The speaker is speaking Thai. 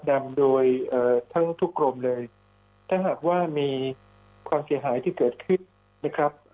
นำโดยทั้งทุกกรมเลยถ้าหากว่ามีความเสียหายที่เกิดขึ้นนะครับ